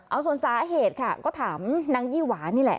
เอาส่วนสาเหตุค่ะก็ถามนางยี่หวานี่แหละ